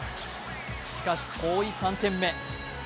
しかし、遠い３点目。